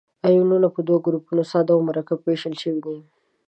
آیونونه په دوه ګروپو ساده او مرکب ویشل شوي دي.